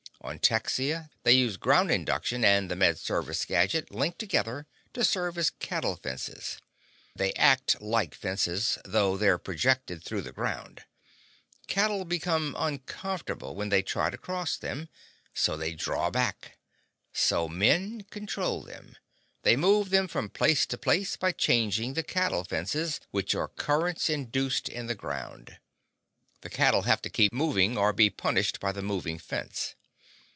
On Texia they use ground induction and the Med Service gadget linked together to serve as cattle fences. They act like fences, though they're projected through the ground. Cattle become uncomfortable when they try to cross them. So they draw back. So men control them. They move them from place to place by changing the cattle fences, which are currents induced in the ground. The cattle have to keep moving or be punished by the moving fence.